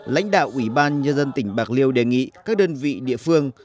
lãnh đạo ủy ban nhân dân tỉnh bạc liêu đề nghị các đơn vị địa phương